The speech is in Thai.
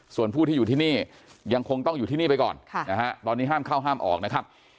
ส่วนผู้ที่อยู่ที่นี่ยังคงต้องอยู่ที่นี่ไปก่อนนะฮะตอนนี้ห้ามเข้าห้ามออกนะครับ